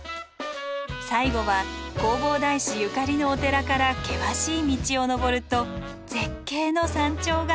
最後は弘法大師ゆかりのお寺から険しい道を登ると絶景の山頂が。